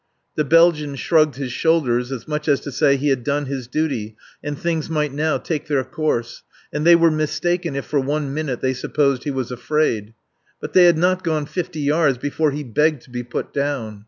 The Belgian shrugged his shoulders as much as to say he had done his duty and things might now take their course, and they were mistaken if for one minute they supposed he was afraid. But they had not gone fifty yards before he begged to be put down.